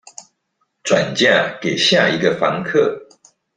轉嫁給下一個房客